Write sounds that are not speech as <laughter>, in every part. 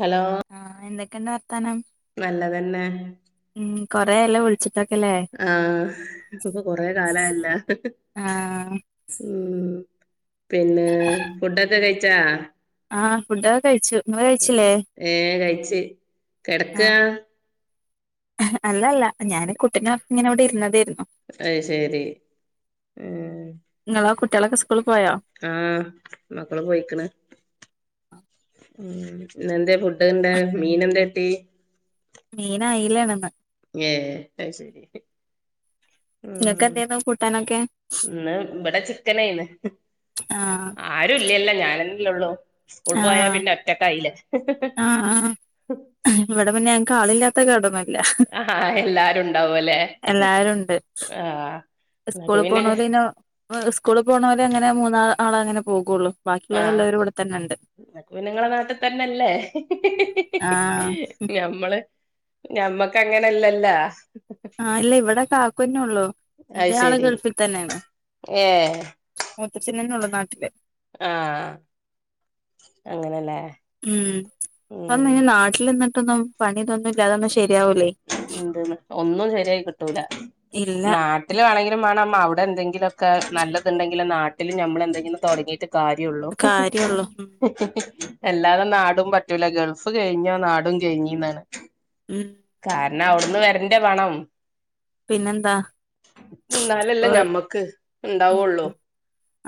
Hello ന്തേകണ്ട് വർത്താനം നല്ലതന്നെ ഉം കൊറെേയല്ലോ വിളിച്ചിട്ട് ആഹ് ഇപ്പൊ കൊറെ കാലായല്ലാ ആഹ് - ഉം പിന്നെ ഫുഡൊക്കെ കഴിച്ചാ ആഹ് ഫുഡക്കെ കഴിച്ചു ഇങ്ങള് കഴിച്ചില്ലേ ഏർ കഴിച്ചു കിടക്ക ആഹ് അല്ലല്ല ഞാനൻ കുട്ടിന ഇങ്ങനെ അവിടെ ഇരുന്നതരുന്നു അയ്ശരി ഉം ഇങ്ങളോ കുട്ട്യാളൊക്കെ സ്കൂള് പോയോ ആഹ് മക്കള് പോയിക്കണ് ഇന്നെന്താ ഫുഡ് ഇണ്ട മീനെന്തേ ട്ടി മീനയിലേണന്ന് ഏ അയ്ശരി നിങ്ങൾക്ക് എന്തോന്നു കൂട്ടാനൊക്കെ ഇന്ന് ഇവിടെ ചിക്കനയിന്ന്. ആഹ് ആരു ഇല്ലല്ലോ ഞാനല്ലല്ലേള്ളൂ. സ്കൂൾ പോയാ ആഹ് പിന്നെ ഒറ്റക്കായില്ലേ. ആഹ് ആ ഇവിടെ മന്നെ ഞക്ക് ആളില്ലാത്തൊക്കെടോന്നും ഇല്ല. ആഹ എല്ലാരും ഉണ്ടാവല്ലോ. എല്ലാരും ഉണ്ട് നിങ്ങക്ക് സ്കൂള പിന്നെ പോണല്പിന്നെ സ്കൂള പോണോല് അങ്ങനെ മൂന്നാ ആള അങ്ങെ പോകുകയുള്ളു ബാക്കിയുള്ള ആഹ് എല്ലാവരുംഇവിടെ തന്നാണ് നിങ്ങളെ നാട്ടിൽ തന്നെ അല്ലെ ഹി ഹി ആഹ് ഹി ഞമ്മള് ഞമ്മക്ക് അങ്ങനെല്ലല്ലാ. ആഹ് ഇല്ല ഇവിടെ കാക്കുതന്നെ ഒള്ളു അത് ഇന്റെ ആള് ശരി ഗൾഫിൽ തന്നെയാണ്. ഏഹ് മൂത്തച്ചനെന്നെ ഒള്ളു നാട്ടില്. ആഹ് അങ്ങനെല്ലേ. ഉം പ്പം ഉം നാട്ടിൽ നിന്നിട്ടൊന്നും പണിതൊന്നു ഇല്ലാതെ ശരിയാവൂല്ലേ. <unintelligible> ഒന്നും ശെരിയായി കിട്ടൂല ഇല്ല നാട്ടില് വേണമെങ്കിലും വേണം. അവിടെ എന്തെങ്കിലുക്കെ നല്ലതുണ്ടെങ്കിൽ നാട്ടിൽ ഞമ്മള് എന്തെങ്കിലും തൊടങ്ങിട്ട് കാര്യഒള്ളൂ. കാര്യള്ളൂ ഉം എല്ലാതെ നാടും പറ്റൂല്ല. ഗൾഫ് കഴിഞ്ഞാ നാടും കഴിഞ്ഞ്ന്നാണ്. ഉംമ് ന്നാ അവിടുന്ന് വരണ്ടേ പണം. പിന്നെന്താ ഇപ്പൊ എന്നാലല്ലേ ഞമ്മക്ക് ഉണ്ടാവുള്ളൂ.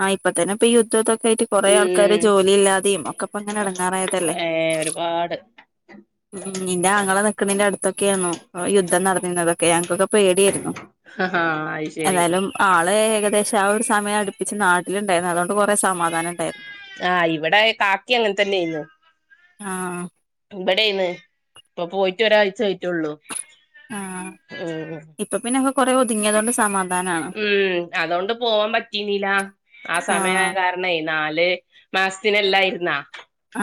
ആഹ് ഇപ്പ തന്നെ ഇപ്പൊ ഈ യുദ്ധത്തൊക്കെ ആയിട്ട് കൊറെേ ആൾക്കാര് ഉം ജോലി ഇല്ലാതെയ ഒക്കെ ഇപ്പ അങ്ങനെ അടങ്ങാറായതല്ലേ. ഏ ഒരുപാട്. ഉം നിന്റെ ആങ്ങളെ നക്കണന്റെ അടുത്തൊക്കെ ആന്നു യുദ്ധം നടന്നരുന്നതൊക്കെ ഞങ്ങക്കൊക്കെ പേടിയരുന്നു ആഹാ അത് ശരി എന്തായാലും ആളെ ഏകദേശം ഒരു സമയം അടുപ്പിച്ച് നാട്ടിലണ്ടായിരുന്നു അതൊണ്ട് ആഹ് ഇവിടെ കാക്കിമ് അങ്ങനെ തന്നെ ആയിരുന്നു. ആഹ് ഇവിടെന്ന് ഇപ്പൊ പോയിട്ട് ഒരായിചായി. ലുള്ളു ഹമ് കുറെ ഒതുങ്ങിയതൊണ്ട് സമാ ഉം അതോണ്ട് പോവാൻ പറ്റീന്നില്ല ആ സമയം ആയ ആഹ് കാരണം നല് മാസത്തിലല്ലായിരുന്ന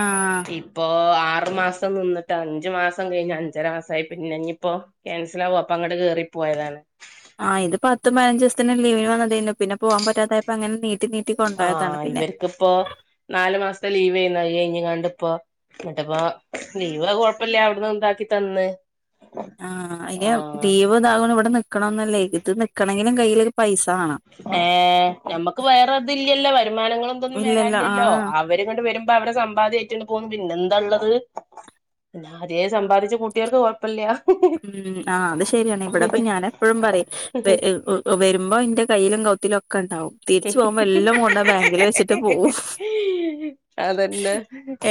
ആഹ് ഇപ്പൊ ആറു മാസം നിന്നിട്ട് അഞ്ചു മാസം കഴിഞ്ഞ് അഞ്ചര മാസമായി പിന്നെ ഇനിയിപ്പോ ക്യാൻസൽ ആകും അപ്പൊ അങ്ങട്ട് കേ പോയതാണ്. ആഹ് ഇത് പത്തും പതിനഞ്ച് ലീവിന് വന്നതെന്നു പിന്നെ പോവാൻ പറ്റാതപ്പോ അനെ നീട്ടി നീട്ടി കൊണ്ടോയതാണ് ആഹ് പിന്നെ ഇവർക്കിപ്പോ നാലു മാസത്തെ ലീവ് ഏ കഴിഞ്ഞ കണ്ട പ്പോ എന്നിട്ട്പ്പോ ലീവ് കൊഴപ്പില്ല. അവിടന്ന് താക്കി തന്ന്. ആഹ് അയിന് ആഹ് ലീവ് ഇതാക്കും ഇവിടെ നിക്കണന്നില്ലേ ഇത് നിക്കണങ്കിലും കയ്യില് പൈസ വേണം ഏ നമ്മക്ക് വേറെതില്ലല്ലോ വരുമാനങ്ങൾ എന്തൊന്നും ഇല്ലല്ല വരില്ലല്ലോ ആഹ് അവര് ങ്ങട്ട് വരു അവിടെ സമ്പാദ്യആയിട്ട്പോന്നു പിന്നെ എന്താള്ളത് പിന്ന ആദ്യെ സമ്പാദിച്ച ക്കുട്ടിയോർക്ക് ഉം ആഹ് അത് ശരിയാണ്. ഇവിടെപ്പം ഞാൻ എപ്പോഴും പറയും വരുമ്പോ ഇന്റെ കയ്യിലും കൗത്തിലലും ഒക്കെ ഉണ്ടാവും തിരിച്ചു പോകുമ്പോ എല്ലാം കൊണ്ട ബാങ്കില് വെച്ചിട്ട് പോകവും. അതന്നെ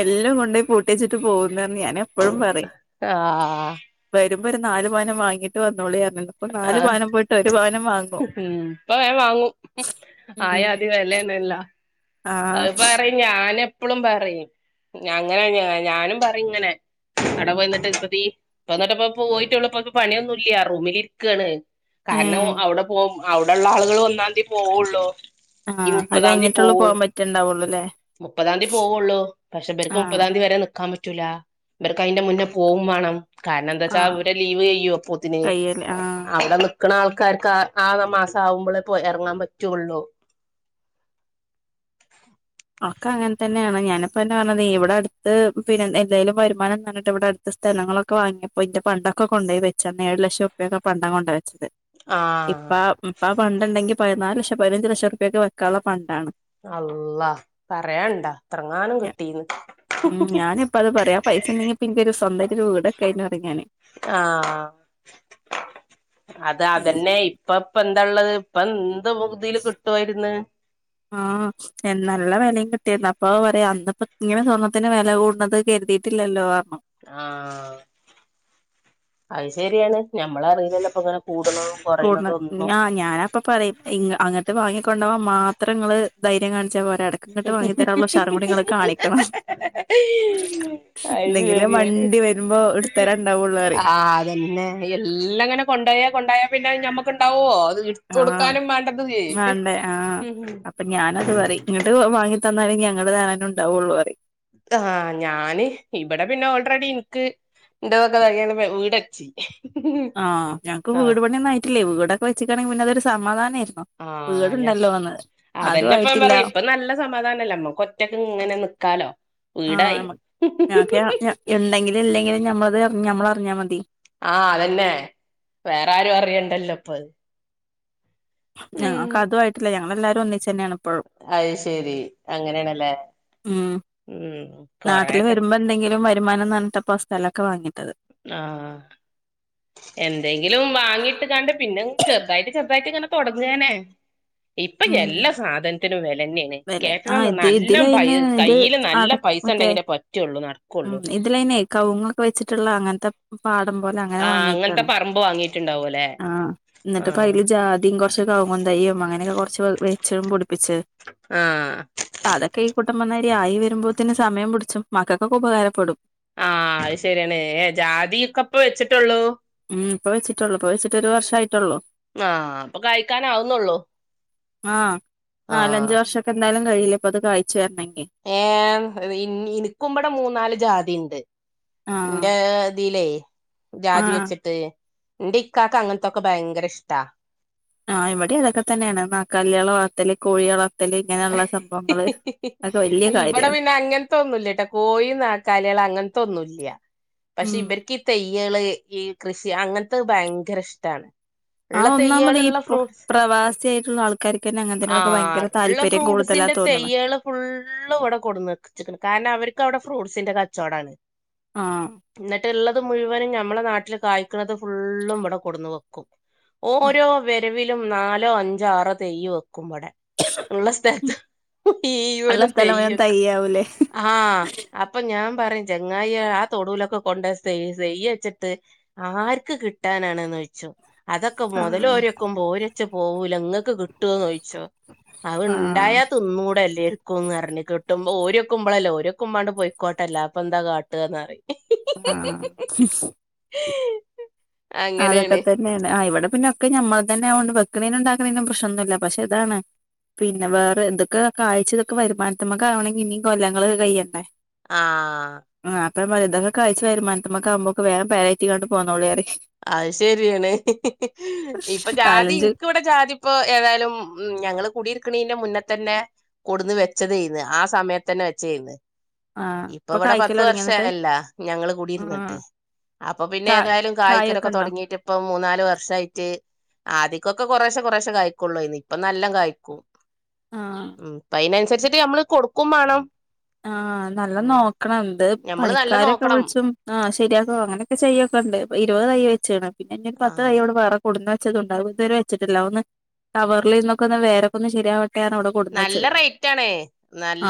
എല്ലാം കൊണ്ടപോയി പൂട്ടി വച്ചിട്ട് പോകുന്ന് ഞാൻ എപ്പോഴും പറയും ആഹ് വരുമ്പോ ഒരു നാല് പവനം വാങ്ങിട്ട വന്നോളിന്ന് പറഞ്ഞണ് ഇപ്പോ നല് ആഹ് പാവനം പോയിട്ട് ഒരു പാവനം ഉം ഇപ്പം വെ വാങ്ങും ആയാതി ഉം വെലെണല്ലോ. ആഹ് അത് പറയും ഞാനെപ്പളും പറയും അങ്ങനെ ഞാനും പറയും ഇങ്ങനെ. അവിടെ പോയിന്നിട്ട് ഇപ്പ തീ ഇപ്പ എന്നിട്ട് പ്പോ പോയിട്ടൊള്ളു പണിയൊന്നും ഇല്ല റൂമിൽഇരിക്കാണ്. കാരണം ഏഹ് അവിടെ പോ അവിടെള്ള ആളുകൾ ഒന്നാംന്തി പോവൊള്ളൂ. ഈ ആഹ് അത് മുപ്പതാം തീ കഴിഞ്ഞിട്ടുള്ളൂ പോകാൻ പോവൊള്ളു. പറ്റുണ്ടാവുള്ളൂല്ലേ മുപ്പതാംതി പോവുള്ളൂ പക്ഷേ ഇപർക്ക് ആഹ് മുപ്പതാം തിയതി വരെ നി കാ പറ്റൂല ഇപർക്ക് അതിന്റെ മുന്നേ പോവേം വേണം കാരണം എന്താ വച്ചാ ആഹ് അവരെ ലീവ് കയ്യും അപ്പേത്തിന് കയ്യല് ആഹ് അവിടെ നി നിക്കണ ആൾക്കാർക്ക് ആറ് മാസം ആകുമ്പോളേക്ക് ഇറങ്ങാൻ പറ്റുള്ളു ആക്ക് അങ്ങനെ തന്നെയാണ് ഞാനി പ്പം പറിണത് ഇവിടെ അടുത്ത് പിന്നെ എന്തായാലും വരുമാനന്ന് പറഞ്ഞിട്ട് ഇവിടെ അടുത്ത സ്ഥല ഞങ്ങളൊക്കെ വാങ്ങയിപ്പോ ഇതിന്റെ പണ്ടൊക്കെ കൊണ്ട് പോയി വെച്ചന്ന ഏഴ ലക്ഷം രൂപൊക്കെ പണ്ടം കൊണ്ട ആഹ് ഇപ്പ ഇപ്പ ആ പണ്ട ഇണ്ടെങ്കിൽ പതിനാല് ലക്ഷം പതിനഞ്ച് ലക്ഷം രൂപൊക്കെ വെക്കാനുള്ള പണ്ടാണ് അ അളാ പറയണ്ടാ ഇത്രങ്ങാനും കിട്ടീന്ന് എ ഒരു സ്വന്തായിട്ട് ഒരു വീടൊക്കാ യിന്ന് പറഞ്ഞാന് ആഹ് അത് അതന്നെ ഇപ്പ ഇപ്പ എന്താ ള്ളത് ഇപ്പം ആഹ് നല്ല വെലയും കിട്ടും കിട്ടിന്ന് അപ്പ പറയാ അന്നപ്പോ ഇങ്ങനെ സ്വർണ്ത്തിന് വില കൂടുന്നത് കരുതിയിട്ടില്ലല്ലോ ആഹ് അത് ശരിയാണ് ഞമ്മള് അറിയതല്ല ഇപ്പങ്ങനെ കൂട്ണത്. ഞാ ഞാനപ്പ പറയും അങ്ങട്ട് വാങ്ങിക്കൊണ്ടവാൻ മാ ത്രങ്ങള് ധൈര്യം കാണിച്ചാൽ പോര എടക്ക് ഇങ്ങട് വാങ്ങി തരാനുള്ള ഉഷാറും കൂടി ഇങ്ങള് കാണിക്കണം അത് ഇന്നെങ്കിലേ ശരിയാണ് വണ്ടി വരുമ്പോ ഇട്ത്തരാൻ ഉണ്ടാവുളളു പറിം ആഹ് അതന്നെ എല്ലാം അങ്ങനെ കൊണ്ടായ കൊണ്ടായ പിന്നെ ഞമ്മക്ക് ണ്ടാവോ ആഹ് വാണ്ടേ ആഹ് ഉം അപ്പൊ ഞാനത് പറിം. ഇങ്ങട്ട് വാങ്ങി തന്നാലേ ഞങ്ങള് കാണാനും ഉണ്ടാവൊള്ളൂ പറിം ആഹ് ഞാന് ഇവിടെ പിന്നെ ഓൾറെഡി ഇൻക്ക് ഇൻ്റതൊക്കെ <unintelligible> വീടെച്ച് ആഹ് ഞക്ക് വീട് പണിയൊന്നായ്ട്ടില്ലെ വീടൊക്കെ വെച്ച്ക്കാണെങ്കിൽ പിന്നെ അതൊരു സമാധാനമായിരി അഹ് വീട്ണ്ടല്ലോന്ന് അതെന്നെപ്പ ഞാം പറിം ഇപ്പൊ നല്ല സമാധാനല്ലെ ഞമ്മകൊറ്റക്ക്ങ്ങനെ ന്നിക്കാലോ. ആഹ് ഞമ്മ ഞ ഞ ഇണ്ടെങ്കിലും ഇല്ലെങ്കിലും ഞമ്മൾതെ ഞമ്മളർഞ്ഞാമതി. ആഹ് അതെന്നെ വേറൊരും അറിയണ്ടല്ലോപ്പത്. ഞങ്ങക്കതു ആയിട്ടില്ല ഞങ്ങളെല്ലാരും ഒന്നിച്ചെന്നേണ്. ഇപ്പഴും അഹ് ശെരി അങ്ങനേണല്ലേ ഉം ഉം നാട്ടില് കൊറേക്കെ വരുമ്പോ എന്തെങ്കിലും വരുമാനംന്ന് പറഞ്ഞിട്ടപ്പോ സ്ഥലൊക്കെ വാങ്ങിയത്. ആഹ് എന്തെങ്കിലും വാങ്ങിട്ട്കാണ്ട് പിന്നെ ചെറുതായിട്ട് ചെർ സ്വന്തായിട്ട്ങ്ങനെ തൊട്ങ്ങാനാ ഉം ഇപ്പയെല്ല സാധനത്തിനും വെലെന്നേണ് വലെ ആഹ് ഇത് കേറ്റണംന്നല്ലോം ഇതിലയ്ന് ഇത് കയ്യില് അട നല്ല പൈസ മറ്റേ ണ്ടെങ്കിലെ പറ്റൊള്ളൂ ന്ട്ക്കൊ ഉം ഇതിലയ്ന് കൗങ്ങൊക്കെ വെച്ച്ട്ട്ള്ള ആഹ് അങ്ങൻത്തെ പറമ്പ് വാങ്ങിട്ട്ണ്ടാവുലെ? ആഹ് ന്നിട്ട്പ്പയ്ല് ജാതിം, കൊർച്ച് കൗങ്ങും തയ്യും, അങ്ങനെക്കെ കൊർച്ച് വെച്ചും പുടിപ്പിച്ച് ആഹ് ത്യംപറഞ്ഞആയി വെരുമ്പോത്തിനും സമയം പുടിച്ചും മക്കൾക്കൊക്കെ ഉപകാരപ്പെടും. ആഹ് അഹ് ശെരിയാണ് ഏഹ് ജാതിൊക്കെപ്പ വെച്ചിട്ടൊള്ളൂ. ഉം ഇപ്പൊ വെച്ചിട്ടൊള്ളൂ ഇപ്പ വെച്ചിട്ട് ഒരു വർഷായി. ആഹ് അപ്പൊ കാഴിക്കാൻ ആവുന്നൊള്ളൂ. ആഹ് നാലഞ്ച് വർഷൊക്കെന്തായാലും കയ്യീലപ്പത് കാഴ്ച്ച് വെര്ണെങ്കി ഏഹ് ഇൻക്കുംമ്പടെ മൂന്നാല് ജാതി ഇണ്ട്. ആഹ് ഇന്റെ ഇതിലേയ് ആഹ് ജാതിവെച്ചിട്ട്. ഇന്റീക്കാക്ക് അങ്ങൻത്തൊക്കെ ഭയങ്കരെഷ്ട്ടാ. ആഹ് ഇവിടിം അതൊക്കെ തന്നെണ് ന്നാകാലിയാളെ വളർത്തല് കോഴി വളർത്തല് ഇങ്ങനെയുള്ള സംഭ ഇബടെ പിന്നെ അങ്ങൻത്തൊന്നുല്ല്യട്ടോ കോഴിം, ന്നാകാലിയള് അങ്ങൻത്തൊന്നുല്ല്യ പക്ഷെ ഉം ഇവർക്ക് ഈ തയ്യാള് ഈ കൃഷി അങ്ങൻത്തെ ഭയങ്കര ഇഷ്ട്ടാണ്. ആ ഇള്ള തെയ്യേൾ ഒന്നാമത് ഈ ഇള്ള ഇപ്പൊ ഫ്രൂട്ട്സ് ഫ്രൂ ഉം പ്രവാസിയായിട്ടുള്ള ആൾക്കാർക്കന്നെ ആ അങ്ങനത്തേനോടൊക്കെ ഭയങ്കര ഇള്ള താല്പര്യം കൂടുതലാ ഫ്രൂട്ട്സിന്റെ തോന്നണ് തെയ്യേള് ഫുള്ള് ഇവിടെ കൊടുന്ന് വച്ച്ക് ണ് കാരണം അവർ ക്കവ്ടെ ഫ്രൂട്ടസിന്റെ കച്ചോടാണ്. ആഹ് എന്നിട്ട് ഇള്ളത് മുഴുവനും ഞമ്മളെ നാട്ടിൽ കായ് ക്ക്ണത് ഫുള്ളും ഇവടെ കൊടുന്ന് വെക്കും. ഓരോ ആഹ് വെരവി ലും നാലോ അഞ്ചോ ആറോ തെയ്യ് വെ ക്കും ബടെ ഉള്ള സ്ഥലത്ത് മുഴ് ഉള്ള വനും സ്ഥലം വേം തെയ്യക് തയ്യാവൂലേ ആഹ് അപ്പം ഞാൻ പറയും ചങ്ങായേ ആ തൊടടലൊക്കെ കൊണ്ടെയ് തെയ്യ് വെച്ചിട്ട് ആർക്ക് കിട്ടാനാണ് ന്ന് യിച്ചും. അതൊക്കെ ആഹ് മുതലോര്യേക്കുമ്പം ഒര്യേച്ച് പോവൂല ഇങ്ങക്ക് കിട്ടോന്ന് ചോയിച്ചും അത് ആഹ് ഇണ്ടായാ തിന്നൂടെ എല്ലേര്ക്കുംന്ന് പറഞ്ഞ് കിട്ട്മ്പൊ ഓര്യേക്കുമ്പളല്ലെ ഓര്യേക്കുമ്പാണ്ട് പോയിക്കോട്ടെ അല്ലാപ്പന്താ കാട്ടാന്നറിം ആഹ് അതൊക്കെ അങ്ങനെയാണ് തന്നെയാണ് ഇവിടെ പിന്നെ ക്കെ ഞമ്മൾതന്നെ ആവൊണ്ട് വെക്ക്ണേനും ഇതാക്ക്ണേനും പ്രശ്നൊന്നുല്ല പക്ഷെ ഇതാണ് പിന്നെ വേറെ ഇതൊക്കെ കാഴ്ച ഇതൊക്കെ വരുമാനത്ത്മ്മക്കാവണങ്കി ഇനിം കൊല്ലങ്ങള് ക്കെ കൈയണ്ടേ ആഹ് അപ്പം ഞാൻ പറിം ഇതൊക്കെ കാഴിച്ച് വര്മാനത്ത്മ്മക്ക് ആവുമ്പൊക്ക് വേം പെര കേറ്റിക്കാണ്ട് പോന്നോളി പറിം അത് ശരിയാണ്. ഇപ്പൊ ജാതി നാലഞ്ച് ഇനിക്ക് ഇവിടെ ജാതി ഇപ്പോ ഏതായാലും ഉം ഞങ്ങള് കുടിയിര്ക്ണീന്റെ മുന്നെ തന്നെ കൊടുന്ന് വെച്ചതേന്ന്. ആ സമയത്തന്നെ വെച്ചേന്ന് ആ ഇപ്പ ഇപ്പൊ ഇവിടെ കായ്ക്കല് പത്ത് തൊടങ്ങിയോ എന്നിട്ട് വർഷായല്ലൊ ഞങ്ങള് ആ കൂടിയിര്ന്നിട്ട് അപ്പൊ പിന്നെ കാ ഏതായാലും കായൊക്കെ കായ്കരൊക്കെ ഉണ്ടോ തുടങ്ങീട്ട് ഇപ്പ മൂന്നാല് വർഷായിട്ട് ആദിക്കൊക്കെ കുറശെ കുറേശെ കായ്ക്കൊള്ളോന്നി ഇപ്പം നല്ലം കായ്ക്കും ആ ഉം. അപ്പയ്നനുസരിച്ചിട്ട് ഞമ്മള് കൊടുക്കും മാണം ആഹ് നല്ലം നോക്കണം. ഇത് ഞമ്മള് നല്ല പണിക്കാരൊക്കെ നോക്കണം വിളിച്ചും ആ ശരിയാക്കും അങ്ങനെയൊക്കെ ചെയ്യൊ ക്കെണ്ട്. ഇരുപത് തൈയ് വെച്ച്ണ് പിന്നെ ഇഞ് പത്ത് തയ്യൂടെ വേറ കൊടന്ന് വച്ചത് ഉണ്ടാവും. ഇത് വരെ വെച്ചട്ടില്ല ഒന്ന് കവറിലിരിന്നൊക്കെ ഒന്ന് വേരൊക്ക ഒന്ന് ശരിയാവാൻ നല്ല റേറ്റ ആണ്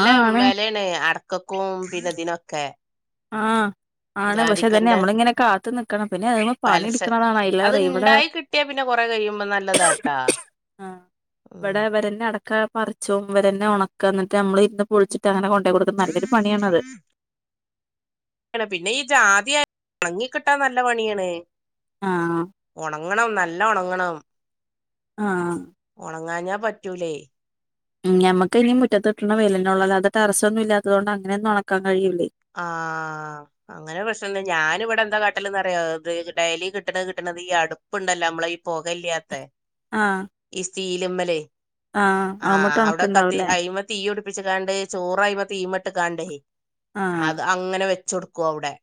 ആ ആണ് വെലേണ് അടക്കക്കും പിന്നെതിനൊക്കെ ആഹ് ആണ് പക്ഷെ ഇതന്നെ നമ്മള് ഇങ്ങനെ കാത്തു നിക്കണം. പിന്നെ അത് മ്മ പണി പലശ ഇട്ക്ണതാണ് അത് അയ്ലേറെ. ഇവടെ ഇണ്ടായി കിട്ടിയാ പിന്നെ കൊറെ കഴിയുമ്പോ നല്ലതാട്ടാ ആ ഉം ഇവിടെ ഇവരന്നെ അടക്ക പറിച്ചും ഇവരന്നെ ഉണക്ക എന്നിട്ട് നമ്മൾ ഇരുന്ന് പൊളിച്ചിട്ട്ങ്ങനെ കൊ ണ്ടെയ് കൊടുക്ണ നല്ലൊരു പണിയാണത് പിന്നെ ഈ ജാതിയായാലും ഒണങ്ങി കിട്ടാൻ നല്ല പണിയാണ് ആഹ് ണങ്ങണം നല്ലോം ഒണങ്ങണം ആഹ് ഒണങ്ങാഞ്ഞാ പറ്റൂലേ ഉം ഞമ്മക്കയ്ന് ഈ മുറ്റത്ത് കിട്ടണ വെയ്ലെന്നെ ഒള്ളൂ അല്ലാതെ ടെറസ് ഒന്നും ഇല്ലാത്തതോണ്ട് അങ്ങനൊന്നും നണക്കാൻ കഴിയൂലേ ആഹ് അങ്ങനൊരു പ്രശ്നം ണ്ട്. ഞാന് ഇവിടെ എന്താ കാട്ടല്ന്നറിയോ ഇത് ഡെയ്ലി കിട്ടണത് കിട്ടണ അതീ അടുപ്പുണ്ടല്ലോ നമ്മള ഈ പൊക ഇല്ല്യാത്ത ആഹ് തീല്മ്മലെ ആഹ് ആവുമ്മട്ട് അവിടെ കത്തി ഉണക്കുണ്ടാവൂല്ലേ അയ്മെ തീയിപിടു പ്പിച്ചും കാണ്ട് ചോറായ്മ തീമട്ട് കാണ്ടേ ആഹ് അത് അങ്ങനെ വെച്ച് കൊടുക്കു അവിടെ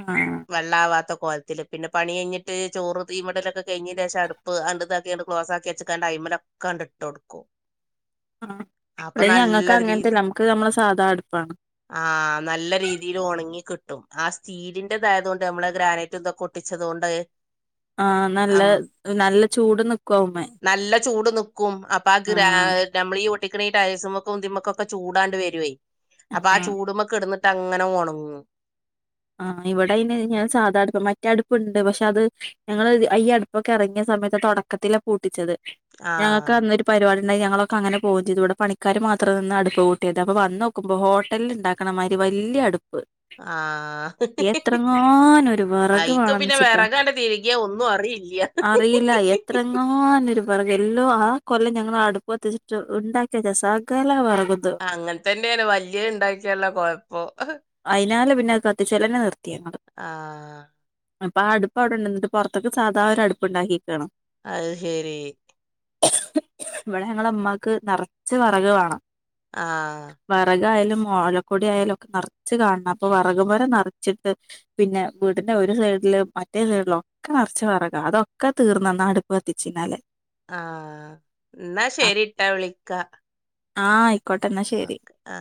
ആഹ് വെള്ളാവത്തൊക്ക് കോലത്തിൽ പിന്നെ പണി കഴിഞ്ഞിട്ട് ചോറ് തീമ്മടലൊക്കെ കഴിഞ്ഞെൻ്റെ ശേഷം അടുപ്പ് ആണ്ട് ഇതാക്കിയാണ്ട് ക്ലോസാക്കി വെച്ചുകാണ്ട് അയി അയിമ്മിലൊക്കെ ആണ്ട് ഇട്ട് കൊടുക്കും ആ ഇവിടെ ഞങ്ങക്ക് രീതി അങ്ങനത്തെല്ല നമ്മുക്ക് നമ്മളെ സാധാ അടുപ്പാണ് ആഹ് നല്ല രീതിയിൽ ഒണങ്ങി കിട്ടും ആ സ്റ്റീലിന്റെ തായത് കൊണ്ട് നമ്മള് ഗ്രാനൈറ്റ് ഇതൊക്കെ ഒട്ടിച്ചതുകൊണ്ട് ആഹ് നല്ല അമ്മ നല്ല ചൂട് നിക്കു അവുമ്മേ ക്കും അപ്പൊ ആ ഗ്രാ ആഹ് നമ്മളീ ഈ ഒട്ടിക്കണ ഈ ടൈൽസുമൊക്കും ഇതിമേക്കൊക്കെ ചൂടങ്ങട് വരുവേ അപ്പൊ ആ ആഹ് ചൂടുമ്മേ കിടന്നിട്ട് അങ്ങനെ ഒണങ്ങും ആഹ് ഇവിടെ അയ്ന് ഞാൻ സാധാ അടുപ്പാ മറ്റേ ഒറ്റടുപ്പുണ്ട് പക്ഷെ അത് ഞങ്ങള് അയ്യ് അടുപ്പൊക്കെ ഇറങ്ങിയ സമയത്ത് തൊടക്കത്തിലാ കൂട്ടിച്ചത് ഞങ്ങക്ക് ആഹ് അന്നൊരു പരിപാടി ഇ <unintelligible> ഞങ്ങളൊക്കെ അങ്ങനെ പോകുവേം ചെയ്തു ഇവിടെ പണിക്കാര് മാത്രം നിന്ന് അടുപ്പ് കൂട്ടിയത് അപ്പ വന്ന് നോക്കുമ്പോ ഹോട്ടലിൽ ഇണ്ടാക്കണ മാതിരി വ വല്യ അടുപ്പ് ആഹ് എത്രങ്ങാനൊരു വെറക് അയിക്ക് വേണന്ന് പിന്നെ വെച്ചിട്ടാ വിറകാണ്ട് തിരികിയ ഒന്നും അറിയില്ല അറിയില്ല എത്രങ്ങാനൊരു വിറക് എല്ലോ ആ കൊല്ലം ഞങ്ങള് അടുപ്പ് കത്തിച്ചിട്ട് ഉണ്ടാക്കി വച്ച സകല വെറകും അങ്ങനെത്തന്നെയാണ് വല്യ ഇണ്ടാക്കിയാലുള്ള കൊഴപ്പോ അയിനാല് പിന്നെ അത് കത്തിച്ചെലന്നെ നിർത്തി ഞങ്ങള് ആഹ് അപ്പൊ ആ അടുപ്പ് അവിടെണ്ട് എന്നിട്ട് പുറത്തക്കെ സാധാ ഒരു അടുപ്പുണ്ടാക്കിക്കാണ് അത് ശരി ഇവിടെ ഞങ്ങളെ ഉമ്മാക്ക് നെറച്ച് വെറക് വേണം ആഹ് റക് ആയാലും ഓലക്കൊടി ആയാലുമൊക്കെ നെറച്ച് റച്ച് കാണണം അപ്പൊ വെറകുപുര നിറച്ചിട്ട് പിന്നെ വീടിന്റെ ഒരു സൈഡിലും മറ്റേ സൈഡിലും ഒക്കെ നെറച്ച് വിറകാ അതൊക്കെ തീർന്നന്ന് അടുപ്പ് കത്തിച്ചയിനാലെ ആഹ് എന്നാ ശരിട്ടാ വിളിക്കാ ആഹ് ആയിക്കോട്ടെന്നാ ശെരി ഓക്കെ ആഹ്